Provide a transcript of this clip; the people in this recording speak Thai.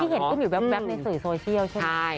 ที่เห็นต้องอยู่แบบในสื่อโซเชียลใช่มั้ย